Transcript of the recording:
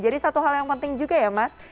jadi satu hal yang penting juga ya mas